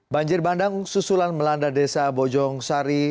banjir bandang susulan melanda desa bojong sari